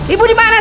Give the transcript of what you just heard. ibu dimana sih